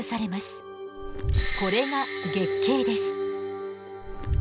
これが月経です。